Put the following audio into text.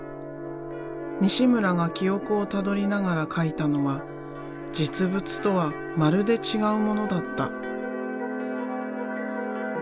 西村が記憶をたどりながら描いたのは実物とはまるで違うものだった。